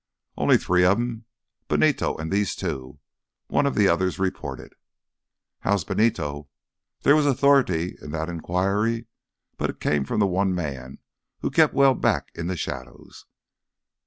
"Only three of 'em—Benito an' these two," one of the others reported. "How's Benito?" There was authority in that inquiry, but it came from the one man who kept well back in the shadows.